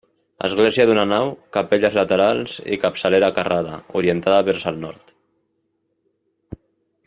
Església d'una nau, capelles laterals i capçalera carrada, orientada vers el nord.